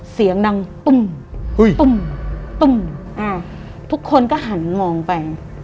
เสียงดังตุ้มตุ้มตุ้มอ่าทุกคนก็หันมองไป